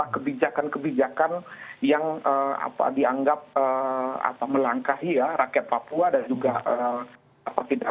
kebijakan kebijakan yang dianggap melangkahi ya rakyat papua dan juga apa tidak